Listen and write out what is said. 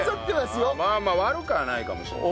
まあ悪くはないかもしれないね。